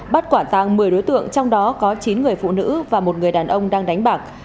bắt quả tăng một mươi đối tượng trong đó có chín người phụ nữ và một người đàn ông đang đánh bạc